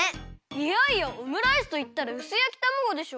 いやいやオムライスといったらうすやきたまごでしょ！